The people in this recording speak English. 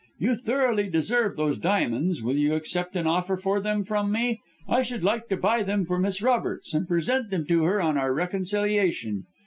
You thoroughly deserve those diamonds will you accept an offer for them from me? I should like to buy them for Miss Roberts and present them to her on our reconciliation.'